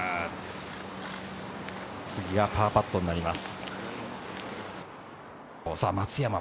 次がパーパットになります。